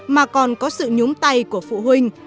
mà còn có sự nhúng tay của phụ huynh